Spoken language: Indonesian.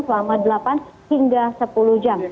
selama delapan hingga sepuluh jam